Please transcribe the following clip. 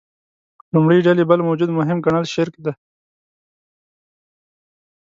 لومړۍ ډلې بل موجود مهم ګڼل شرک دی.